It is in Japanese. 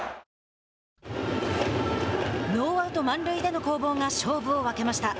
ノーアウト、満塁での攻防が勝負を分けました。